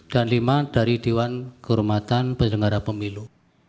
dan lima dari dewan kehormatan pendengara pemilu